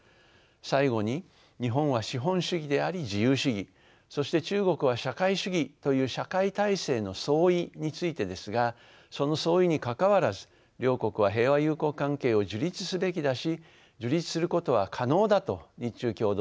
最後に日本は資本主義であり自由主義そして中国は社会主義という社会体制の相違についてですがその相違にかかわらず両国は平和友好関係を樹立すべきだし樹立することは可能だと日中共同声明は述べています。